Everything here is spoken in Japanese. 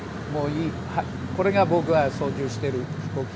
これが僕が操縦してる飛行機。